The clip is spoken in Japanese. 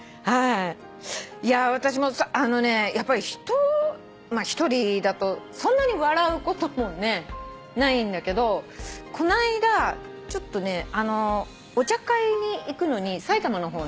いや私もあのねやっぱり一人だとそんなに笑うこともねないんだけどこないだお茶会に行くのに埼玉の方に行ったのね。